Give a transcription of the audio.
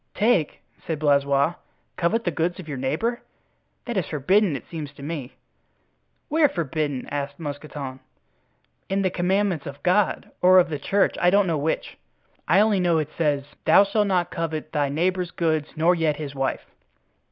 "Take!" said Blaisois; "covet the goods of your neighbor? That is forbidden, it seems to me." "Where forbidden?" asked Mousqueton. "In the commandments of God, or of the church, I don't know which. I only know it says, 'Thou shalt not covet thy neighbor's goods, nor yet his wife.